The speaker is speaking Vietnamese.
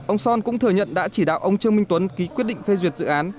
ông son cũng thừa nhận đã chỉ đạo ông trương minh tuấn ký quyết định phê duyệt dự án